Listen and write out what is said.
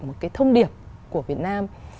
một cái thông điệp của việt nam